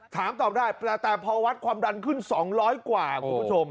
ถามตอบได้แต่พอวัดความดันขึ้น๒๐๐กว่าคุณผู้ชม